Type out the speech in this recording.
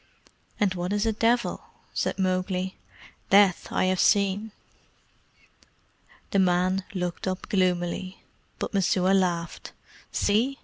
"And what is a devil?" said Mowgli. "Death I have seen." The man looked up gloomily, but Messua laughed. "See!"